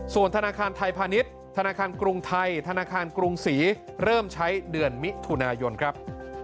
ส่วนธนาคารไทยพาณิชย์ธนาคารกรุงไทยธนาคารกรุงศรีเริ่มใช้เดือนมิถุนายนครับ